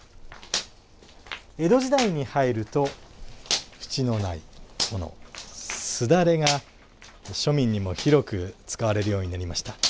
江戸時代に入ると縁のないもの簾が、庶民にも広く使われるようになりました。